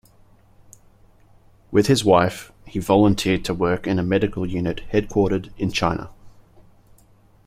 With his wife, he volunteered to work in a medical unit headquartered in China.